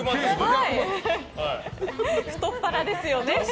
太っ腹ですよね。